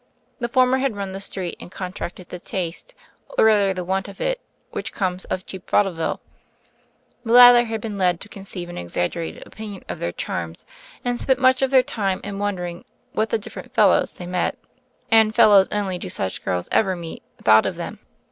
The former had run the streets and contracted the taste — or rather the want of it — which comes of cheap vaudeville; the latter had been led to conceive an exaggerated opinion of their charms, and spent much of their time in wonder ing what the different "fellows" they met — and "fellows" only do such girls ever meet — thought of them.